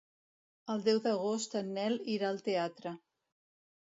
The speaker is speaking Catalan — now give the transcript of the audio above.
El deu d'agost en Nel irà al teatre.